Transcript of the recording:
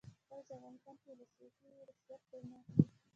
کله چې افغانستان کې ولسواکي وي رشوت څوک نه اخلي.